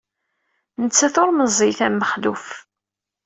Nettat ur meẓẓiyet am Mexluf.